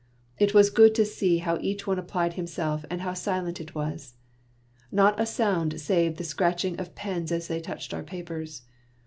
It was good to see how each one applied himself, and how silent it was ! Not a sound save the scratch ing of pens as they touched our papers.